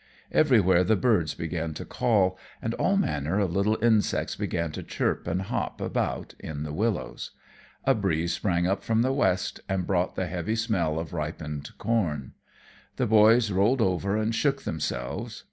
Everywhere the birds began to call, and all manner of little insects began to chirp and hop about in the willows. A breeze sprang up from the west and brought the heavy smell of ripened corn. The boys rolled over and shook themselves.